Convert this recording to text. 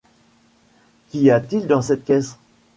Qu’y a-t-il dans cette caisse